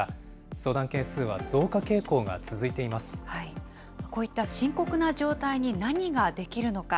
相談件数は増加傾向が続いていまこういった深刻な状態に何ができるのか。